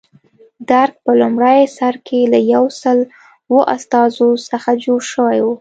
درګ په لومړي سر کې له یو سل اوه استازو څخه جوړ شوی و.